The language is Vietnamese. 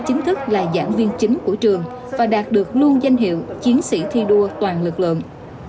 chính thức là giảng viên chính của trường và đạt được luôn danh hiệu chiến sĩ thi đua toàn lực lượng